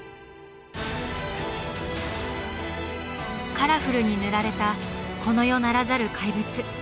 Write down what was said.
カラフルに塗られたこの世ならざる怪物。